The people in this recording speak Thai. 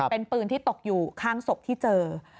เป็นปืนที่ตกอยู่ข้างศพที่เจอ